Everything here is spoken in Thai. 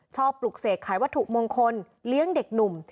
ปลุกเสกขายวัตถุมงคลเลี้ยงเด็กหนุ่ม